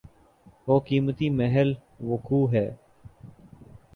وہ قیمتی محل وقوع ہے۔